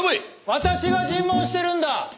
私が尋問してるんだ。